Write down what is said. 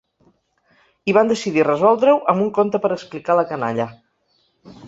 I van decidir resoldre-ho amb un conte per explicar a la canalla.